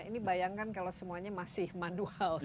ini bayangkan kalau semuanya masih manual